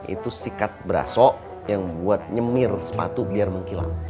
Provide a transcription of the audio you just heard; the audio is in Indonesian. itu sikat beraso yang buat nyemir sepatu biar mengkilap